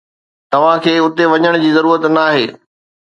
توهان کي اتي وڃڻ جي ضرورت ناهي